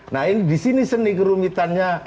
nah ini di sini seni kerumitannya